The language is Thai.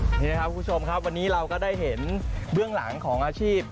นี่นะครับคุณผู้ชมครับวันนี้เราก็ได้เห็นเบื้องหลังของอาชีพ